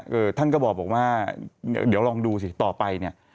ท่านก็บอกว่าเดี๋ยวลองดูสิต่อไปเนี่ย